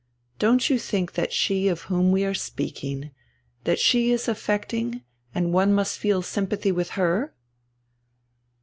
Don't you think that she of whom we are speaking, that she is affecting and that one must feel sympathy with her?"